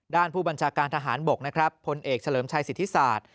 ด้านผู้บัญชาการทหารบกนะครับพลเอกเฉลิมชัยสิทธิศาสตร์